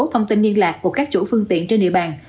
thông tin liên lạc của các chủ phương tiện trên địa bàn